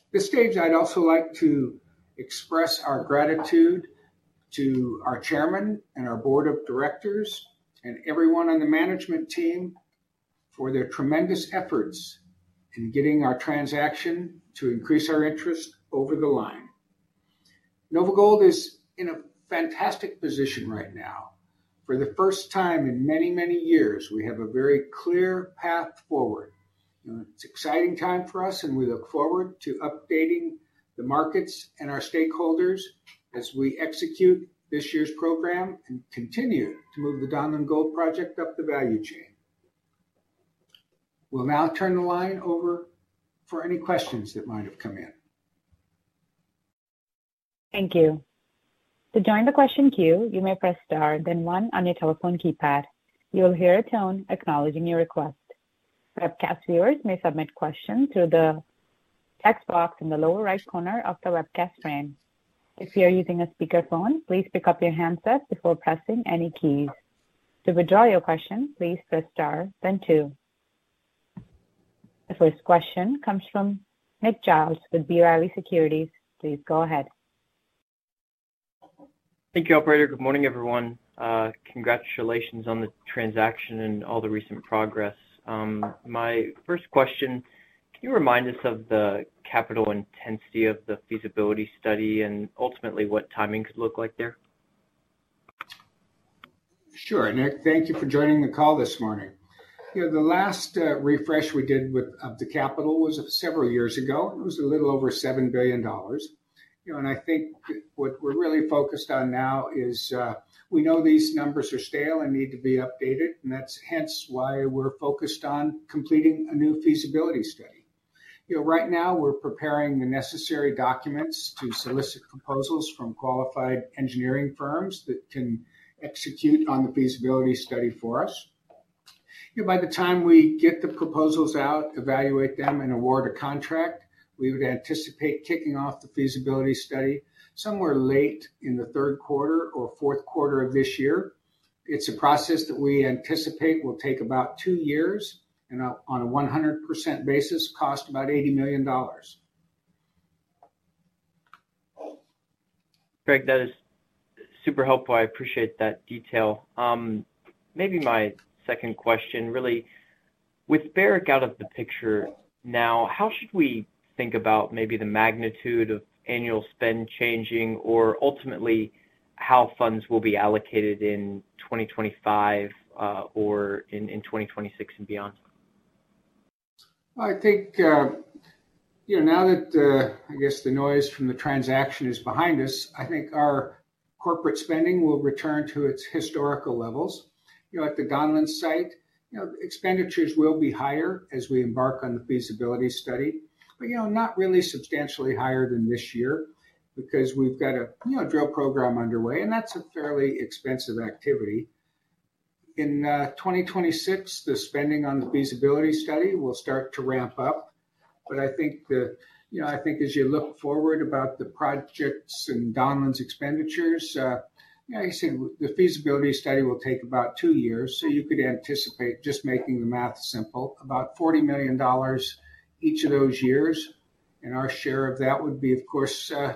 At this stage, I'd also like to express our gratitude to our Chairman and our Board of Directors and everyone on the management team for their tremendous efforts in getting our transaction to increase our interest over the line. NovaGold is in a fantastic position right now. For the first time in many, many years, we have a very clear path forward. It's an exciting time for us, and we look forward to updating the markets and our stakeholders as we execute this year's program and continue to move the Donlin Gold project up the value chain. We'll now turn the line over for any questions that might have come in. Thank you. To join the question queue, you may press star then one on your telephone keypad. You will hear a tone acknowledging your request. Webcast viewers may submit questions through the text box in the lower right corner of the webcast frame. If you are using a speakerphone, please pick up your handset before pressing any keys. To withdraw your question, please press star then two. The first question comes from Nick Giles with B. Riley Securities. Please go ahead. Thank you, Operator. Good morning, everyone. Congratulations on the transaction and all the recent progress. My first question, can you remind us of the capital intensity of the feasibility study and ultimately what timing could look like there? Sure. Nick, thank you for joining the call this morning. The last refresh we did of the capital was several years ago. It was a little over $7 billion. I think what we're really focused on now is we know these numbers are stale and need to be updated, and that's hence why we're focused on completing a new feasibility study. Right now, we're preparing the necessary documents to solicit proposals from qualified engineering firms that can execute on the feasibility study for us. By the time we get the proposals out, evaluate them, and award a contract, we would anticipate kicking off the feasibility study somewhere late in the third quarter or fourth quarter of this year. It's a process that we anticipate will take about two years and, on a 100% basis, cost about $80 million. Greg, that is super helpful. I appreciate that detail. Maybe my second question, really, with Barrick out of the picture now, how should we think about maybe the magnitude of annual spend changing or ultimately how funds will be allocated in 2025 or in 2026 and beyond? I think now that, I guess, the noise from the transaction is behind us, I think our corporate spending will return to its historical levels. At the Donlin site, expenditures will be higher as we embark on the feasibility study, but not really substantially higher than this year because we've got a drill program underway, and that's a fairly expensive activity. In 2026, the spending on the feasibility study will start to ramp up. I think as you look forward about the projects and Donlin's expenditures, I said the feasibility study will take about two years. You could anticipate, just making the math simple, about $40 million each of those years, and our share of that would be, of course, 60%.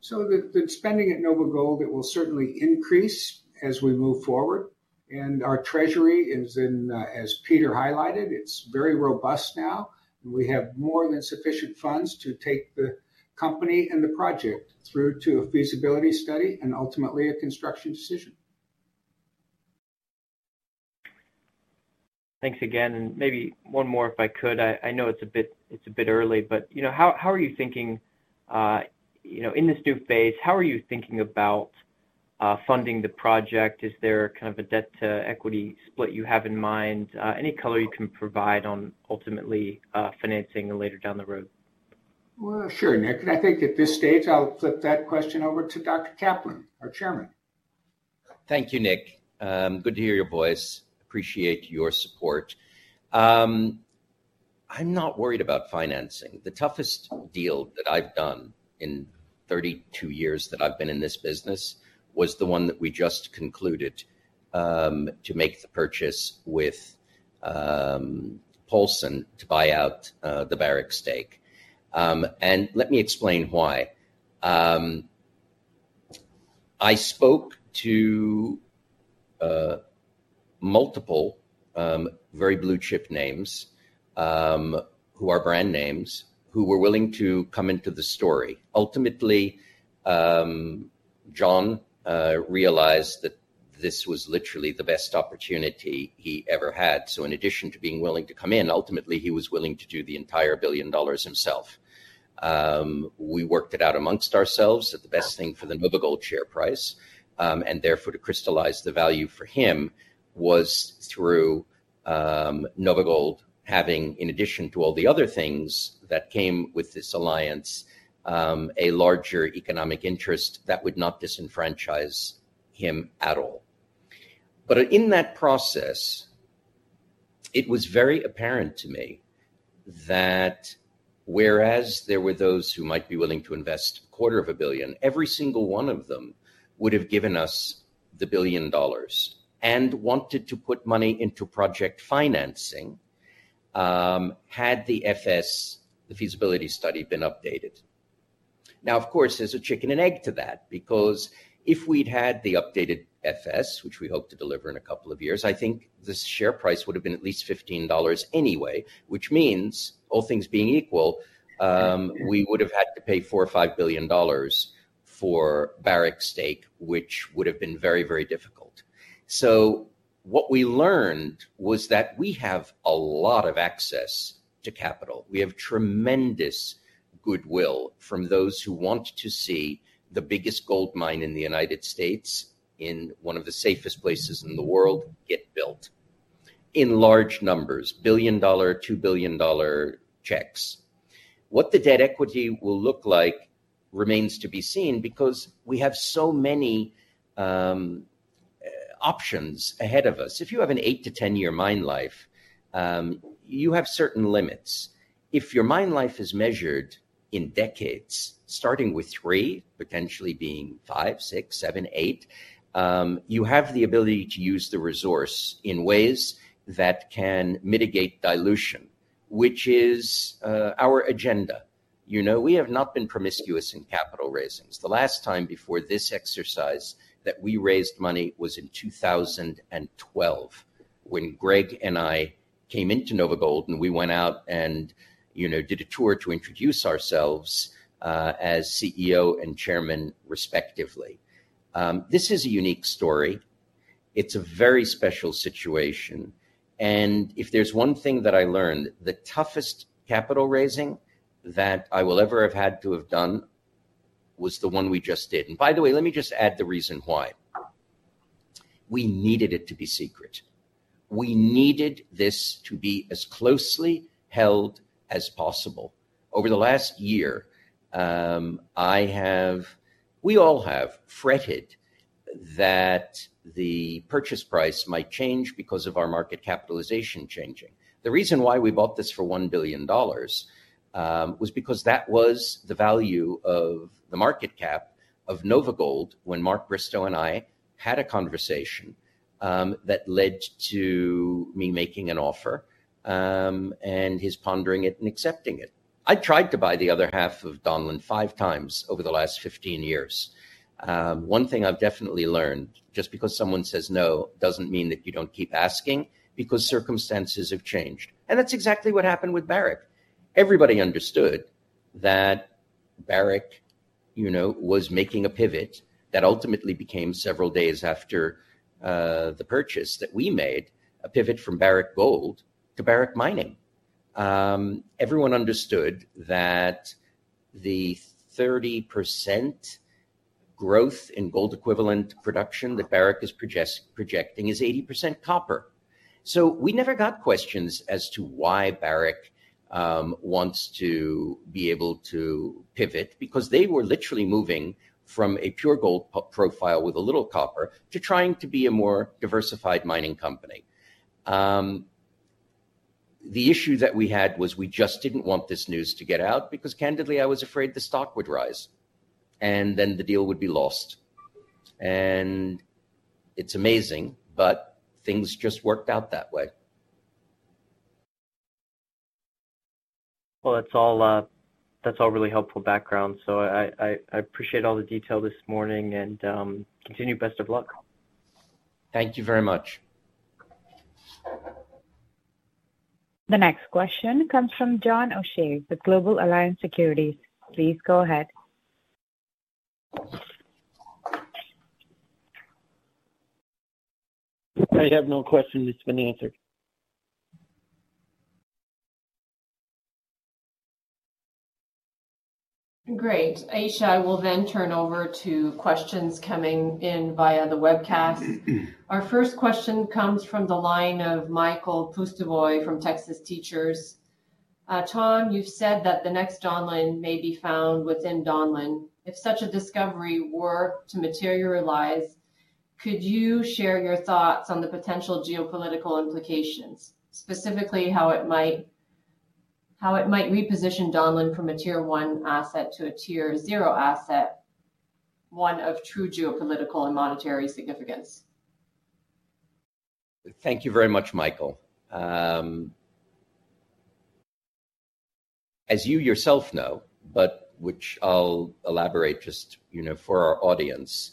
The spending at NovaGold, it will certainly increase as we move forward. Our treasury is, as Peter highlighted, it's very robust now, and we have more than sufficient funds to take the company and the project through to a feasibility study and ultimately a construction decision. Thanks again. Maybe one more, if I could. I know it's a bit early, but how are you thinking in this new phase, how are you thinking about funding the project? Is there kind of a debt-to-equity split you have in mind? Any color you can provide on ultimately financing later down the road? Sure, Nick. I think at this stage, I'll flip that question over to Dr. Kaplan, our Chairman. Thank you, Nick. Good to hear your voice. Appreciate your support. I'm not worried about financing. The toughest deal that I've done in 32 years that I've been in this business was the one that we just concluded to make the purchase with Paulson to buy out the Barrick stake. Let me explain why. I spoke to multiple very blue-chip names who are brand names who were willing to come into the story. Ultimately, John realized that this was literally the best opportunity he ever had. In addition to being willing to come in, ultimately, he was willing to do the entire $1 billion himself. We worked it out amongst ourselves at the best thing for the NovaGold share price. Therefore, to crystallize the value for him was through NovaGold having, in addition to all the other things that came with this alliance, a larger economic interest that would not disenfranchise him at all. In that process, it was very apparent to me that whereas there were those who might be willing to invest a quarter of a billion, every single one of them would have given us the $1 billion and wanted to put money into project financing had the FS, the feasibility study, been updated. Now, of course, there's a chicken and egg to that because if we'd had the updated FS, which we hope to deliver in a couple of years, I think the share price would have been at least $15 anyway, which means, all things being equal, we would have had to pay $4 billion-$5 billion for Barrick stake, which would have been very, very difficult. What we learned was that we have a lot of access to capital. We have tremendous goodwill from those who want to see the biggest gold mine in the United States in one of the safest places in the world get built in large numbers, billion-dollar, two-billion-dollar checks. What the debt equity will look like remains to be seen because we have so many options ahead of us. If you have an 8-10 year mine life, you have certain limits. If your mine life is measured in decades, starting with three, potentially being five, six, seven, eight, you have the ability to use the resource in ways that can mitigate dilution, which is our agenda. We have not been promiscuous in capital raisings. The last time before this exercise that we raised money was in 2012 when Greg and I came into NovaGold and we went out and did a tour to introduce ourselves as CEO and Chairman, respectively. This is a unique story. It is a very special situation. If there is one thing that I learned, the toughest capital raising that I will ever have had to have done was the one we just did. By the way, let me just add the reason why. We needed it to be secret. We needed this to be as closely held as possible. Over the last year, we all have fretted that the purchase price might change because of our market capitalization changing. The reason why we bought this for $1 billion was because that was the value of the market cap of NovaGold when Mark Bristow and I had a conversation that led to me making an offer and his pondering it and accepting it. I tried to buy the other half of Donlin five times over the last 15 years. One thing I've definitely learned, just because someone says no doesn't mean that you don't keep asking because circumstances have changed. That's exactly what happened with Barrick. Everybody understood that Barrick was making a pivot that ultimately became several days after the purchase that we made a pivot from Barrick Gold to Barrick Mining. Everyone understood that the 30% growth in gold equivalent production that Barrick is projecting is 80% copper. We never got questions as to why Barrick wants to be able to pivot because they were literally moving from a pure gold profile with a little copper to trying to be a more diversified mining company. The issue that we had was we just did not want this news to get out because, candidly, I was afraid the stock would rise and then the deal would be lost. It is amazing, but things just worked out that way. That is all really helpful background. I appreciate all the detail this morning and continue best of luck. Thank you very much. The next question comes from John O'Shea, the Global Alliance Securities. Please go ahead. I have no question. It has been answered. Great. Ayesha, I will then turn over to questions coming in via the webcast. Our first question comes from the line of Michael Poustovoi from Texas Teachers. Tom, you've said that the next Donlin may be found within Donlin. If such a discovery were to materialize, could you share your thoughts on the potential geopolitical implications, specifically how it might reposition Donlin from a tier-one asset to a tier-zero asset, one of true geopolitical and monetary significance? Thank you very much, Michael. As you yourself know, but which I'll elaborate just for our audience,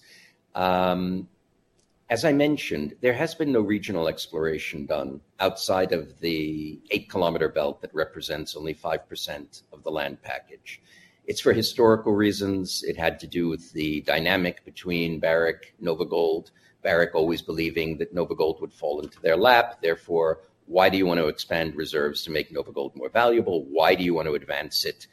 as I mentioned, there has been no regional exploration done outside of the 8-kilometer belt that represents only 5% of the land package. It is for historical reasons. It had to do with the dynamic between Barrick, NovaGold, Barrick always believing that NovaGold would fall into their lap. Therefore, why do you want to expand reserves to make NovaGold more valuable? Why do you want to advance it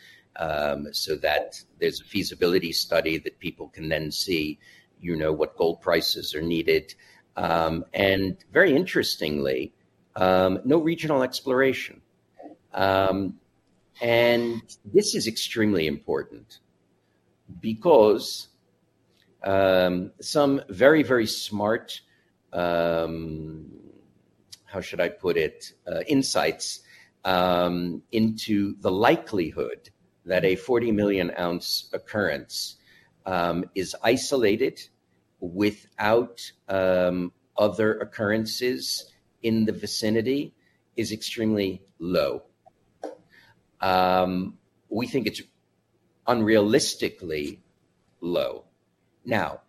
so that there's a feasibility study that people can then see what gold prices are needed? Very interestingly, no regional exploration. This is extremely important because some very, very smart, how should I put it, insights into the likelihood that a 40-million-ounce occurrence is isolated without other occurrences in the vicinity is extremely low. We think it's unrealistically low. Now,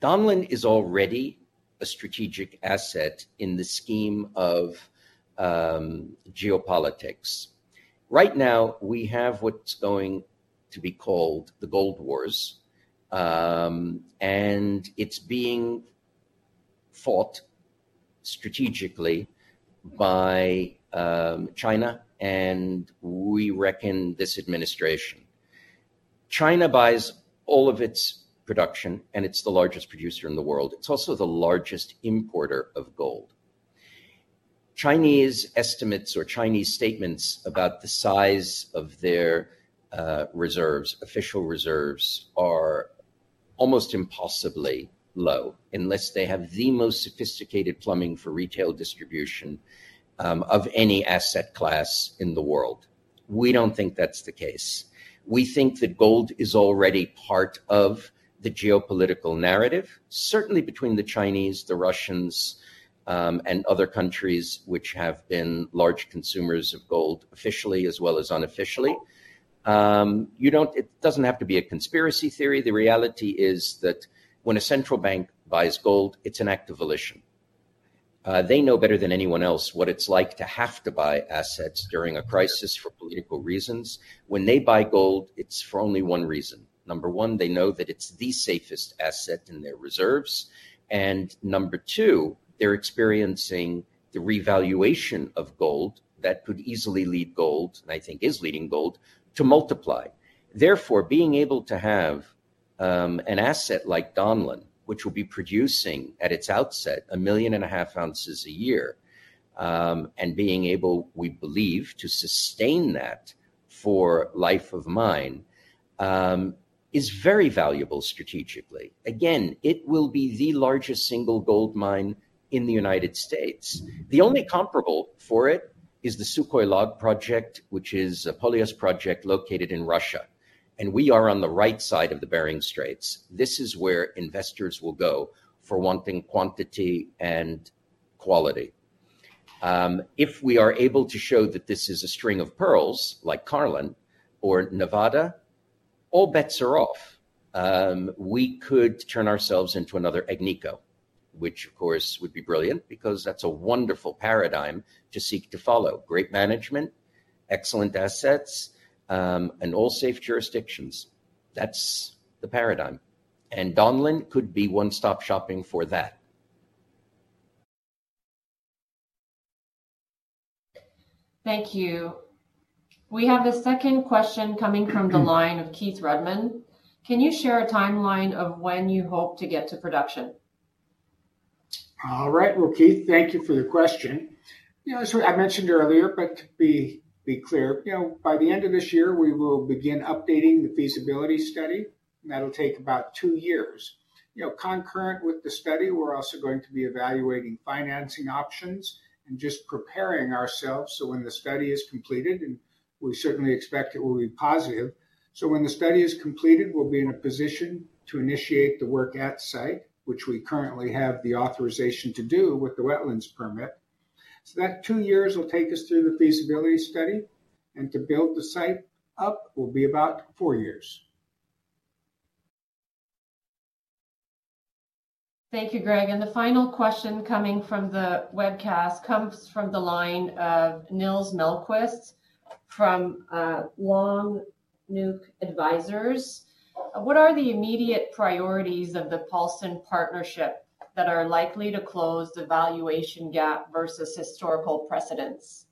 Donlin is already a strategic asset in the scheme of geopolitics. Right now, we have what's going to be called the Gold Wars, and it's being fought strategically by China, and we reckon this administration. China buys all of its production, and it's the largest producer in the world. It's also the largest importer of gold. Chinese estimates or Chinese statements about the size of their reserves, official reserves, are almost impossibly low unless they have the most sophisticated plumbing for retail distribution of any asset class in the world. We do not think that is the case. We think that gold is already part of the geopolitical narrative, certainly between the Chinese, the Russians, and other countries which have been large consumers of gold officially as well as unofficially. It does not have to be a conspiracy theory. The reality is that when a central bank buys gold, it is an act of volition. They know better than anyone else what it is like to have to buy assets during a crisis for political reasons. When they buy gold, it is for only one reason. Number one, they know that it is the safest asset in their reserves. Number two, they're experiencing the revaluation of gold that could easily lead gold, and I think is leading gold, to multiply. Therefore, being able to have an asset like Donlin, which will be producing at its outset 1.5 million ounces a year, and being able, we believe, to sustain that for life of mine is very valuable strategically. Again, it will be the largest single gold mine in the United States. The only comparable for it is the Sukhoi Log project, which is a polyus project located in Russia. We are on the right side of the Bering Straits. This is where investors will go for wanting quantity and quality. If we are able to show that this is a string of pearls like Carlin or Nevada, all bets are off. We could turn ourselves into another Agnico, which, of course, would be brilliant because that's a wonderful paradigm to seek to follow. Great management, excellent assets, and all safe jurisdictions. That's the paradigm. And Donlin could be one-stop shopping for that. Thank you. We have a second question coming from the line of Keith Rudman. Can you share a timeline of when you hope to get to production? All right. Keith, thank you for the question. As I mentioned earlier, but to be clear, by the end of this year, we will begin updating the feasibility study. That'll take about two years. Concurrent with the study, we're also going to be evaluating financing options and just preparing ourselves so when the study is completed, and we certainly expect it will be positive. When the study is completed, we'll be in a position to initiate the work at site, which we currently have the authorization to do with the wetlands permit. That two years will take us through the feasibility study. To build the site up will be about four years. Thank you, Greg. The final question coming from the webcast comes from the line of Nils Mellquist from Longnook Advisors. What are the immediate priorities of the Paulson Partnership that are likely to close the valuation gap versus historical precedents?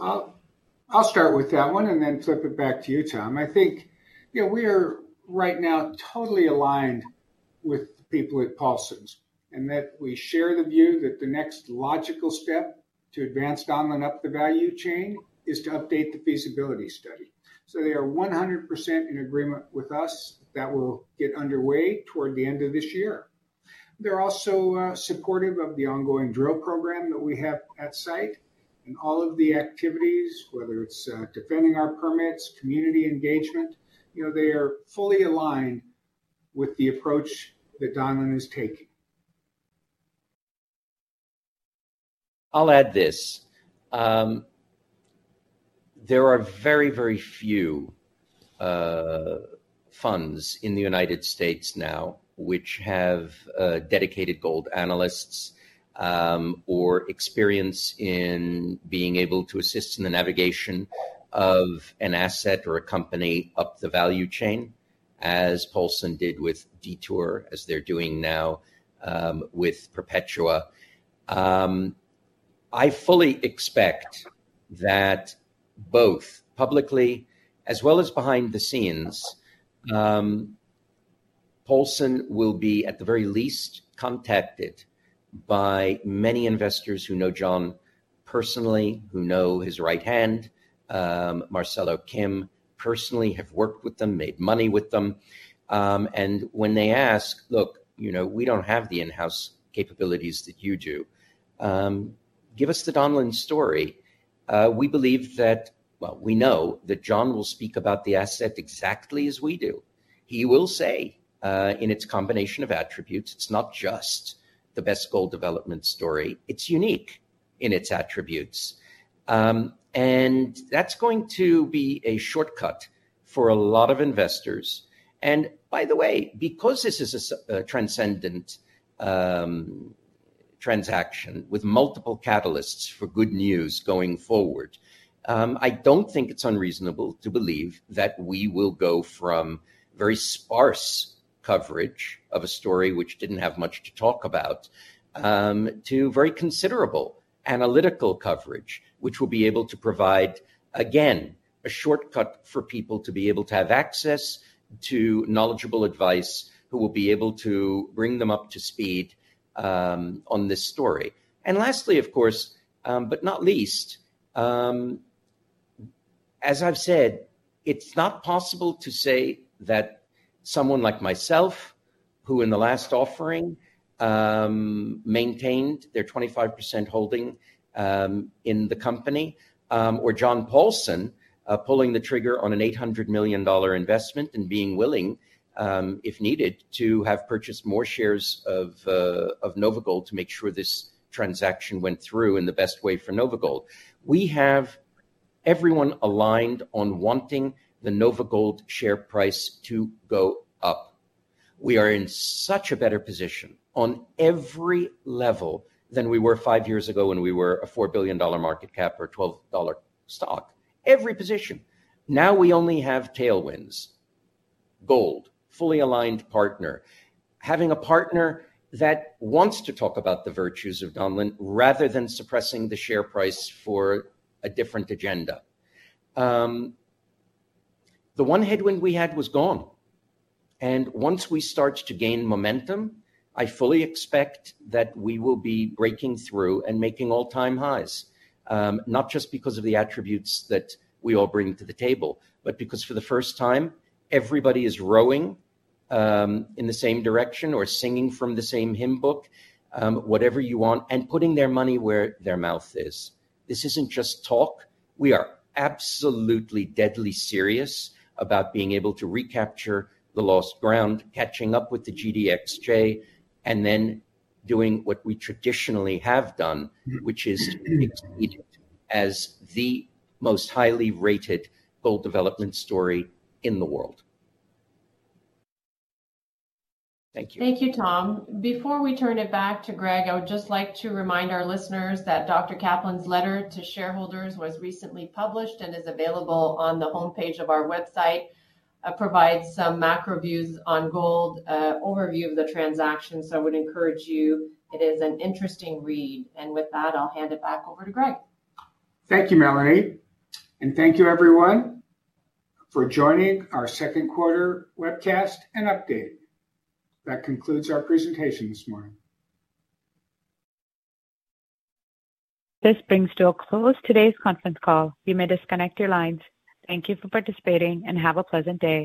I'll start with that one and then flip it back to you, Tom. I think we are right now totally aligned with the people at Paulson's and that we share the view that the next logical step to advance Donlin up the value chain is to update the feasibility study. They are 100% in agreement with us that we'll get underway toward the end of this year. They're also supportive of the ongoing drill program that we have at site. All of the activities, whether it's defending our permits, community engagement, they are fully aligned with the approach that Donlin is taking. I'll add this. There are very, very few funds in the United States now which have dedicated gold analysts or experience in being able to assist in the navigation of an asset or a company up the value chain, as Paulson did with Detour, as they're doing now with Perpetua. I fully expect that both publicly as well as behind the scenes, Paulson will be at the very least contacted by many investors who know John personally, who know his right hand. Marcelo Kim personally has worked with them, made money with them. When they ask, "Look, we do not have the in-house capabilities that you do, give us the Donlin story." We believe that, well, we know that John will speak about the asset exactly as we do. He will say in its combination of attributes, it is not just the best gold development story. It is unique in its attributes. That is going to be a shortcut for a lot of investors. By the way, because this is a transcendent transaction with multiple catalysts for good news going forward, I do not think it is unreasonable to believe that we will go from very sparse coverage of a story which did not have much to talk about to very considerable analytical coverage, which will be able to provide, again, a shortcut for people to be able to have access to knowledgeable advice who will be able to bring them up to speed on this story. Lastly, of course, but not least, as I've said, it's not possible to say that someone like myself, who in the last offering maintained their 25% holding in the company, or John Paulson, pulling the trigger on an $800 million investment and being willing, if needed, to have purchased more shares of NovaGold to make sure this transaction went through in the best way for NovaGold. We have everyone aligned on wanting the NovaGold share price to go up. We are in such a better position on every level than we were five years ago when we were a $4 billion market cap or $12 stock, every position. Now we only have tailwinds, gold, fully aligned partner, having a partner that wants to talk about the virtues of Donlin rather than suppressing the share price for a different agenda. The one headwind we had was gone. Once we start to gain momentum, I fully expect that we will be breaking through and making all-time highs, not just because of the attributes that we all bring to the table, but because for the first time, everybody is rowing in the same direction or singing from the same hymn book, whatever you want, and putting their money where their mouth is. This is not just talk. We are absolutely deadly serious about being able to recapture the lost ground, catching up with the GDXJ, and then doing what we traditionally have done, which is to be exceeded as the most highly rated gold development story in the world. Thank you. Thank you, Tom. Before we turn it back to Greg, I would just like to remind our listeners that Dr. Kaplan's letter to shareholders was recently published and is available on the homepage of our website, provides some macro views on gold, overview of the transaction. I would encourage you, it is an interesting read. With that, I'll hand it back over to Greg. Thank you, Melanie. Thank you, everyone, for joining our second quarter webcast and update. That concludes our presentation this morning. This brings to a close today's conference call. You may disconnect your lines. Thank you for participating and have a pleasant day.